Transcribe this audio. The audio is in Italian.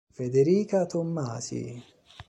Federica Tommasi